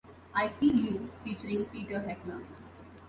I Feel You, featuring Peter Heppner.